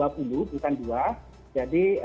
dua puluh bukan dua jadi